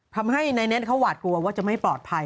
ทำให้นายเน้นเขาหวาดกลัวว่าจะไม่ปลอดภัย